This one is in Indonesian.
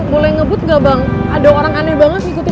kecap ngapain sih ngikutin